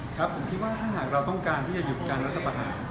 ครับผมคิดว่าถ้าหากเราต้องการที่จะหยุดการรัฐประหาร